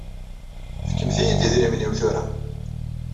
Fkemt-iyi-d idrimen-iw tura.